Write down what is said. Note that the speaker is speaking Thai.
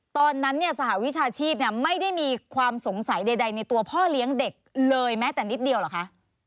ตอนนั้นเนี่ยสหวิชาชีพไม่ได้มีความสงสัยใดในตัวพ่อเลี้ยงเด็กเลยแม้แต่นิดเดียวเหรอคะ